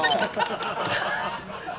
ハハハハ！